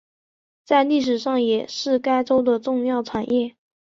在历史上也是该州的重要产业。